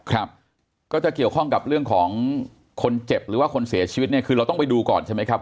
ครับก็จะเกี่ยวข้องกับเรื่องของคนเจ็บหรือว่าคนเสียชีวิตเนี่ยคือเราต้องไปดูก่อนใช่ไหมครับ